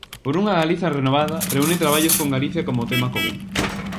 "Por unha Galiza renovada" reúne traballos con Galicia como tema común.